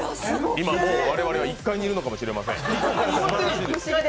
今もう我々は１階にいるのかもしれません。